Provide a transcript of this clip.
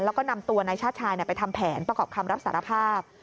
แล้วก็นำตัวนายชาติชายไปทำแผนประกอบคำรับสารภาพ